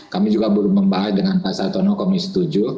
kami juga belum membahas dengan pak sartono komisi tujuh